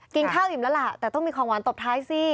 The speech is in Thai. กินข้าวอิ่มแล้วล่ะแต่ต้องมีของหวานตบท้ายสิ